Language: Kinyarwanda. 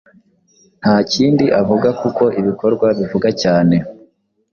ntakindi avugakuko ibikorwa bivuga cyane